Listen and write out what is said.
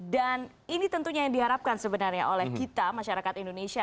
dan ini tentunya yang diharapkan sebenarnya oleh kita masyarakat indonesia